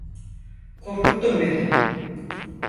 Korkuttun beni.